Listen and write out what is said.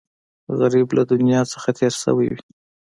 غریب له دنیا نه تېر شوی وي